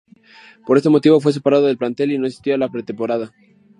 Por este motivo fue separado del plantel y no asistió a la pretemporada.